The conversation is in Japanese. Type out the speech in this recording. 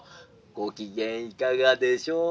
ごきげんいかがでしょうか？」。